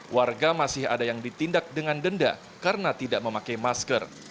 warga masih ada yang ditindak dengan denda karena tidak memakai masker